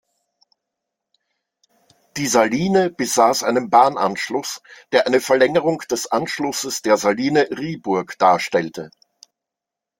Die Saline besass einen Bahnanschluss, der eine Verlängerung des Anschlusses der Saline Riburg darstellte.